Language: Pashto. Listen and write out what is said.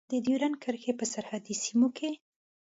د ډیورند کرښې په سرحدي سیمو کې.